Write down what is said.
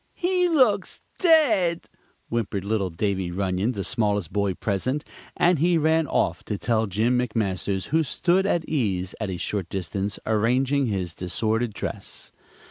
"He looks dead!" whimpered little Davy Runnion, the smallest boy present, and he ran off to tell Jim McMasters, who stood at ease, at a short distance, arranging his disordered dress.